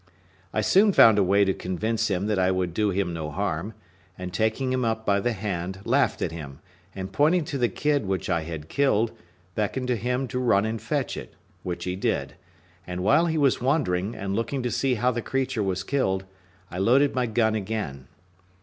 I soon found a way to convince him that I would do him no harm; and taking him up by the hand, laughed at him, and pointing to the kid which I had killed, beckoned to him to run and fetch it, which he did: and while he was wondering, and looking to see how the creature was killed, I loaded my gun again.